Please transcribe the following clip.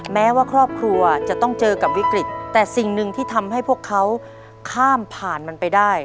แม้ว่าครอบครัวจะต้องเจอกับวิกฤตแต่สิ่งหนึ่งที่ทำให้พวกเขาข้ามผ่านมันไปได้